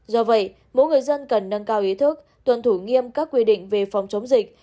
do vậy mỗi người dân cần nâng cao ý thức tuân thủ nghiêm các quy định về phòng chống dịch